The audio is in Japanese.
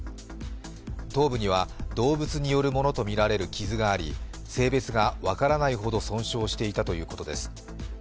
頭部には動物によるものとみられる傷があり、性別が分からないほど損傷していたということです。